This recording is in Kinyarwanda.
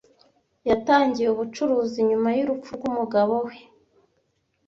Yatangiye ubucuruzi nyuma y'urupfu rw'umugabo we.